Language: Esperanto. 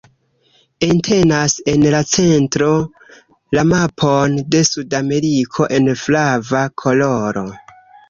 Entenas en la centro, la mapon de Sudameriko en flava koloro.